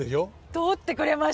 通ってくれました。